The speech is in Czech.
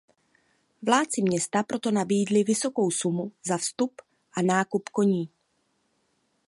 Vládci města proto nabídli vysokou sumu za vstup a nákup koní.